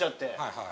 はい。